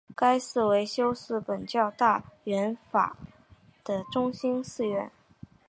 该寺为修习苯教大圆满法的中心寺院。